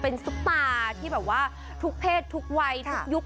เป็นซุปตาที่แบบว่าทุกเพศทุกวัยทุกยุค